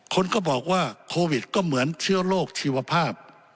คนก็บอกว่าโควิดก็เหมือนเชื้อโรคชีวภาพ